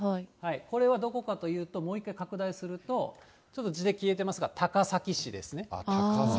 これがどこかというと、もう一回拡大すると、ちょっと字で消えてますが、高崎市ですね。